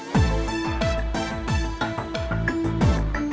saya juga ingin berpengalaman